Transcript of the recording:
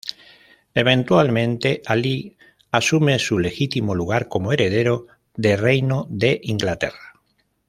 Eventualmente, Alí asume su legítimo lugar como heredero de reino de Inglaterra.